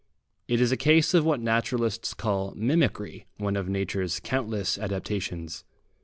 It is a case of what naturalists call "mimicry" one of nature's countless adaptations.